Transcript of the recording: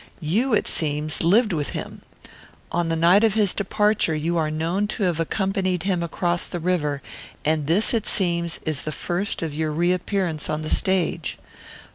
You, it seems, lived with him. On the night of his departure you are known to have accompanied him across the river, and this, it seems, is the first of your reappearance on the stage.